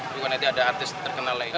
juga nanti ada artis terkenal lain